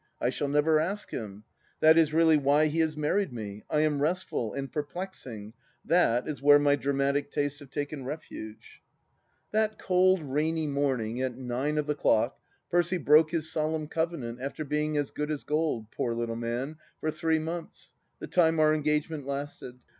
I shall never ask him. That is really why he has married me. ... I am restful .,. and perplexing .., that is where my dramatic tastes have taken refuge. .., 282 THE LAST DITCH That cold, rainy morning, at nine of the clock, Percy broke his solemn covenant, after being as good as gold, poor little man, for three months — the time our engagement lasted.